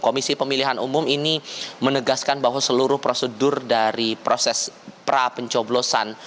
komisi pemilihan umum ini menegaskan bahwa seluruh prosedur dari proses pra pencoblosan